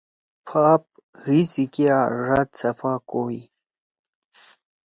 پھاپ حی سی کیا ڙاد صفا کوئی۔